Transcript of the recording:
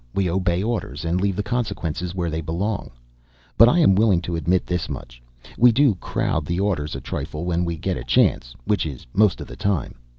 We obey orders and leave the consequences where they belong. But I am willing to admit this much: we do crowd the orders a trifle when we get a chance, which is most of the time.